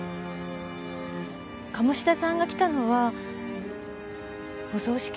鴨志田さんが来たのはお葬式のあと。